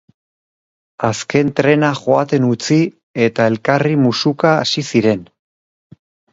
Azken trena joaten utzi eta elkarri musuka hasi ziren.